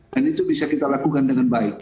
dan itu bisa kita lakukan dengan baik